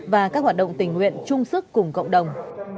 và các hoạt động tình nguyện chung sức cùng cộng đồng